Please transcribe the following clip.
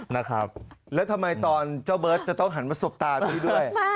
แล้วทำไมตอนเจ้าเบิร์ตจะต้องหันมาสบตาพี่ด้วย